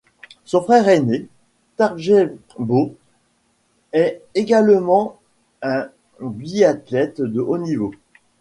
Son frère aîné, Tarjei Bø, est également un biathlète de haut niveau.